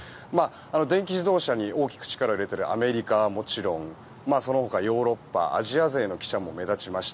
電気自動車に大きく力を入れているアメリカはもちろんその他ヨーロッパ、アジア勢の記者も目立ちました。